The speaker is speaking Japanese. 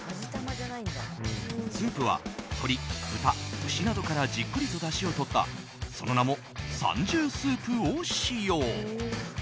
スープは鶏、豚、牛などからじっくりとだしをとったその名も三獣スープを使用。